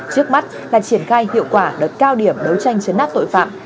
trước mắt là triển khai hiệu quả đợt cao điểm đấu tranh chấn áp tội phạm